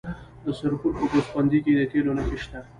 د سرپل په ګوسفندي کې د تیلو نښې شته.